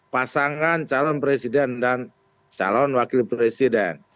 pasangan calon presiden dan calon wakil presiden